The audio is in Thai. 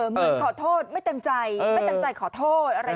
ไม่ต้องขอโทษไม่เต็มใจขอโทษ